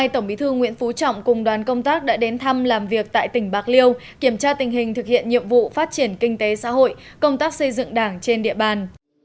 tổng bí thư nguyễn phú trọng cùng đoàn công tác đã đến thăm làm việc tại tỉnh bạc liêu kiểm tra tình hình thực hiện nhiệm vụ phát triển kinh tế xã hội công tác xây dựng đảng trên địa bàn